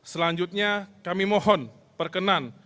selanjutnya kami mohon perkenan